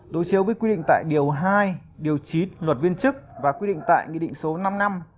đối chiếu với quy định tại điều hai điều chín luật viên chức và quy định tại nghị định số năm năm